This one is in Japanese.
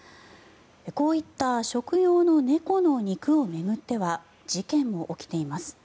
こういった食用の猫の肉を巡っては事件も起きています。